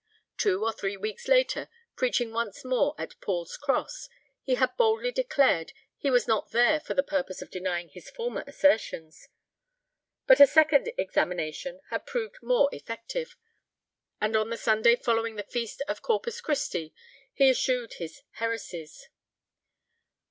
Two or three weeks later, preaching once more at Paul's Cross, he had boldly declared he was not there for the purpose of denying his former assertions; but a second "examination" had proved more effective, and on the Sunday following the feast of Corpus Christi he eschewed his heresies.